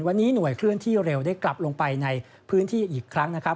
วันนี้หน่วยเคลื่อนที่เร็วได้กลับลงไปในพื้นที่อีกครั้งนะครับ